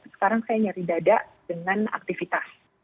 sekarang saya nyari dada dengan aktivitas